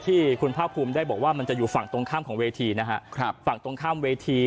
ที่คุณภาคภูมิได้บอกว่ามันจะอยู่ฝั่งตรงข้ามของเวทีนะฮะครับฝั่งตรงข้ามเวที